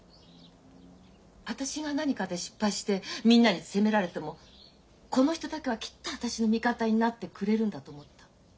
私が何かで失敗してみんなに責められてもこの人だけはきっと私の味方になってくれるんだと思った。